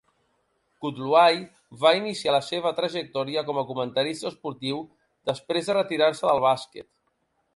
Kutluay va iniciar la seva trajectòria com a comentarista esportiu després de retirar-se del bàsquet.